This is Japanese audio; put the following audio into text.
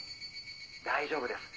「大丈夫です。